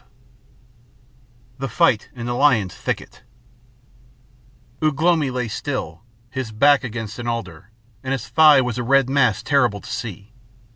V THE FIGHT IN THE LION'S THICKET Ugh lomi lay still, his back against an alder, and his thigh was a red mass terrible to see.